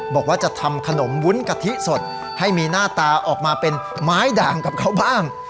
บอกว่าจะทำขนมวุ้นกะทิสดให้มีหน้าตาออกมาเป็นไม้ด่างกับเขาบ้าง